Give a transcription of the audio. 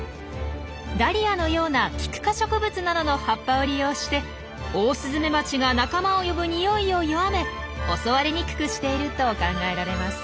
ダリアのようなキク科植物などの葉っぱを利用してオオスズメバチが仲間を呼ぶ匂いを弱め襲われにくくしていると考えられます。